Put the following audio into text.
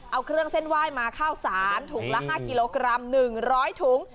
เอาเครื่องเส้นไหว้มาข้าวสารถุงละ๕กิโลกรัม๑๐๐ถุง